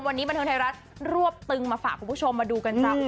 วันนี้บันเทิงไทยรัฐรวบตึงมาฝากคุณผู้ชมมาดูกันจ้ะ